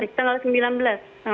tidak tanggal sembilan belas